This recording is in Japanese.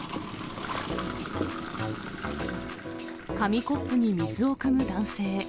紙コップに水をくむ男性。